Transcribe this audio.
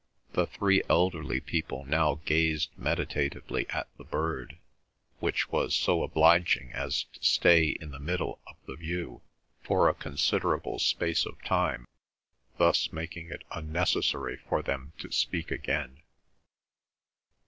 The three elderly people now gazed meditatively at the bird, which was so obliging as to stay in the middle of the view for a considerable space of time, thus making it unnecessary for them to speak again.